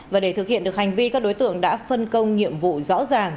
và để thực hiện được hành vi các đối tượng đã phân công nhiệm vụ rõ ràng